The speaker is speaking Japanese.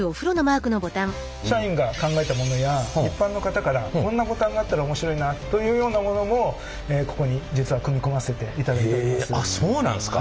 社員が考えたものや一般の方からこんなボタンがあったら面白いなあというようなものもここに実は組み込ませていただいております。